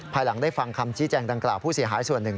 หลังได้ฟังคำชี้แจงดังกล่าวผู้เสียหายส่วนหนึ่ง